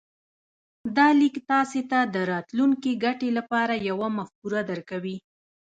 دا ليک تاسې ته د راتلونکې ګټې لپاره يوه مفکوره درکوي.